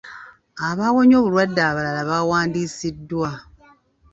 Abaawonye obulwadde abalala baawandiisiddwa.